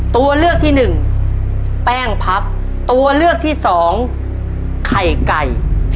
ตัวเลือกที่หนึ่งแป้งพับตัวเลือกที่สองไข่ไก่